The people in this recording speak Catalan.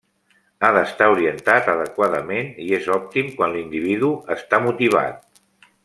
Ha d'estar orientat adequadament i és òptim quan l'individu està motivat.